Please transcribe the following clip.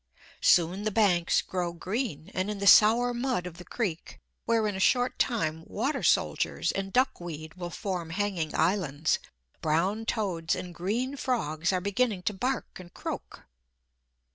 Soon the banks grow green, and in the sour mud of the creek, where in a short time water soldiers and duck weed will form hanging islands, brown toads and green frogs are beginning to bark and croak.